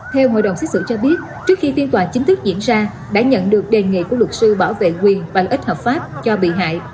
theo hội đồng xét xử cho biết trước khi phiên tòa chính thức diễn ra đã nhận được đề nghị của luật sư bảo vệ quyền và lợi ích hợp pháp cho bị hại